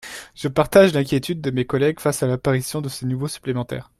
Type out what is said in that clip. Je partage l’inquiétude de mes collègues face à l’apparition de ce niveau supplémentaire.